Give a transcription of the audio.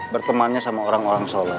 bertemannya sama orang orang solo